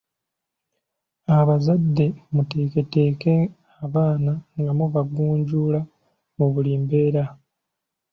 Abazadde muteeketeeke abaana nga mubagunjula mu buli mbeera.